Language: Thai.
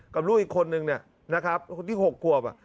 กับลูกอีกคนนึงที่๖กวบ